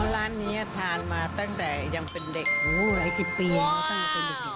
ร้านนี้ทานมาตั้งแต่ยังเป็นเด็กหลายสิบปีแล้วตั้งแต่เป็นเด็ก